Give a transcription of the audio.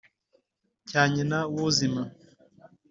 cyaa nyina w'úzima